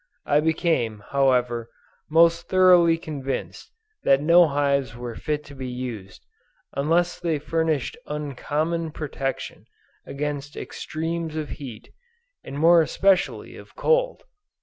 I became, however, most thoroughly convinced that no hives were fit to be used, unless they furnished uncommon protection against extremes of heat and more especially of COLD.